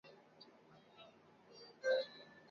潮湿的气候可能防止糖硬化。